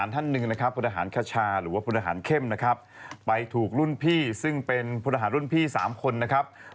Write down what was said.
น่าคิดว่าจะตอบอะไรนะครับ